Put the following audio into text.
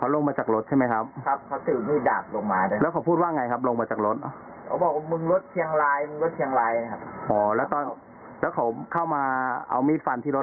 แล้วจากตอนต่อเขาทุบรถเราแล้วเขาไปทางไหนต่อครับ